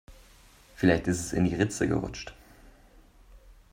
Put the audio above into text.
Vielleicht ist es in die Ritze gerutscht.